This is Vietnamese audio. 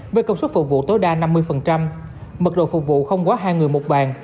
với công suất phục vụ tối đa năm mươi mật độ phục vụ không quá hai người một bàn